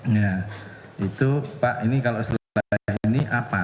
nah itu pak ini kalau selesai ini